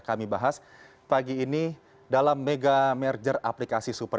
kami bahas pagi ini dalam mega merger aplikasi super